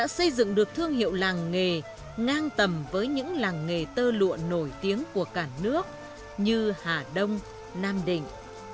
xây dựng được thương hiệu làng nghề ngang tầm với những làng nghề tơ lụa nổi tiếng của cả nước như hà đông nam định